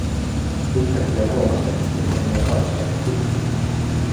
Yhtäkkiä huomasin, kuinka minua katsottiin.